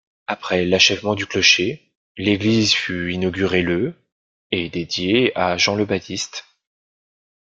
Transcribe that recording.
Après l'achèvement du clocher, l'église fut inaugurée le et dédiée à Jean le Baptiste.